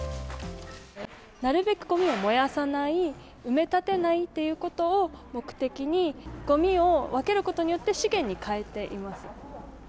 なるべくごみを燃やさない、埋め立てないということを目的に、ごみを分けることによって、資源に変えています。